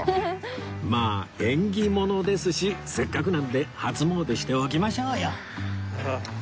まあ縁起物ですしせっかくなんで初詣しておきましょうよ